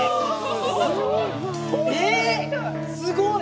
すごい！